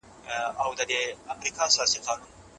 هغوی د بادامو په خوړلو بوخت دي.